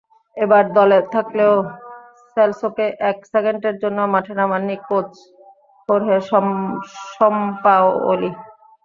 এবার দলে থাকলেও সেলসোকে এক সেকেন্ডের জন্যও মাঠে নামাননি কোচ হোর্হে সাম্পাওলি।